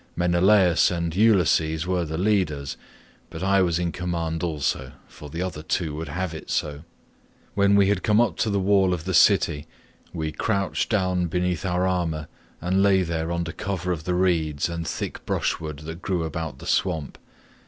Menelaus and Ulysses were the leaders, but I was in command also, for the other two would have it so. When we had come up to the wall of the city we crouched down beneath our armour and lay there under cover of the reeds and thick brushwood that grew about the swamp.